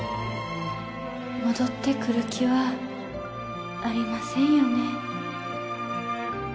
戻ってくる気はありませんよね？